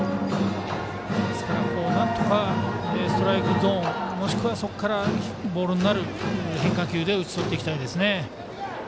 なんとか、ストライクゾーンもしくはそこからボールになる変化球で打ち取っていきたいですね。